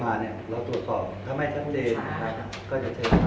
เท่าตัวเองเขาบอกว่าเขาก็ค่อนข้างเครียดกดดันเพราะว่ามันไม่ได้เกี่ยวข้องแต่ต้องถูกโยงเข้ามา